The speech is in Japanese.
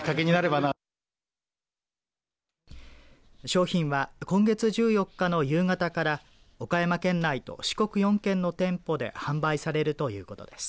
商品は今月１４日の夕方から岡山県内と四国４県の店舗で販売されるということです。